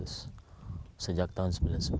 sejak tahun seribu sembilan ratus sembilan puluh sembilan